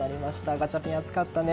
ガチャピン、暑かったね。